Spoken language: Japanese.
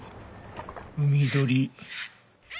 「」海鳥。